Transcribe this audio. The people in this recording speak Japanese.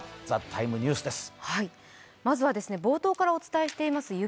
まずは冒頭からお伝えしています